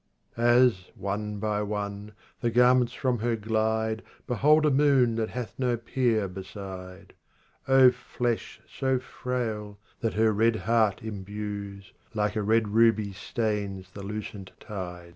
11 As, one by one, the garments from her glide Behold a moon that hath no peer beside. O flesh so frail that her red heart imbues ! liike a red ruby stains the lucent tid^.